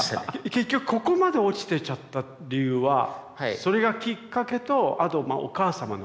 結局ここまで落ちていっちゃった理由はそれがきっかけとあとお母さまの？